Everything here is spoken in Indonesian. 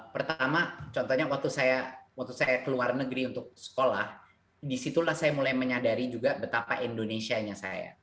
pertama contohnya waktu saya keluar negeri untuk sekolah disitulah saya mulai menyadari juga betapa indonesia nya saya